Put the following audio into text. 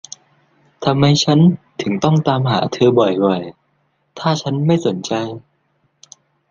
ทำไมฉันถึงต้องตามหาเธอบ่อย ๆ ถ้าฉันไม่สนใจ